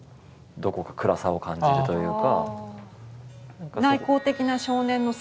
どこか影を感じるというか。